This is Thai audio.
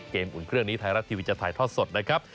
อุ่นเครื่องนี้ไทยรัฐทีวีจะถ่ายทอดสดนะครับ